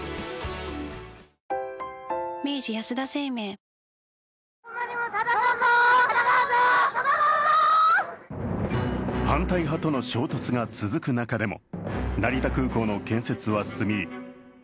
「お風呂の防カビくん煙剤」反対派との衝突が続く中でも成田空港の建設は進み